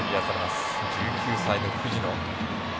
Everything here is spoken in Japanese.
１９歳の藤野。